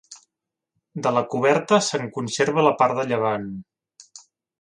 De la coberta se'n conserva la part de llevant.